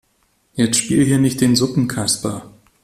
Jetzt spiel hier nicht den Suppenkasper.